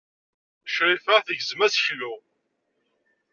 Crifa tegzem aseklu.